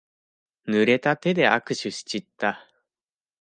ぬれた手で握手しちった。